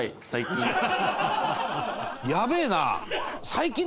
最近。